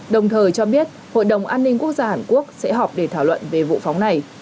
đồng thời cho biết hội đồng an ninh quốc gia hàn quốc sẽ họp để thảo luận về vụ phóng này